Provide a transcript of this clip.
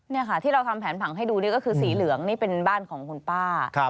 นี่ค่ะที่เราทำแผนผังให้ดูนี่ก็คือสีเหลืองนี่เป็นบ้านของคุณป้า